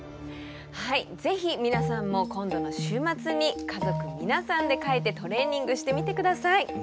ぜひ皆さんも今度の週末に家族皆さんで書いてトレーニングしてみて下さい。